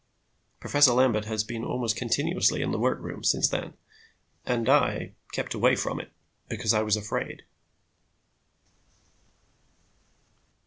Professor Lambert has been almost continuously in the work room since then, and I kept away from it, because I was afraid.'"